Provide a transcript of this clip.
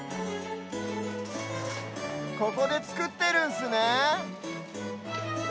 ここでつくってるんすね。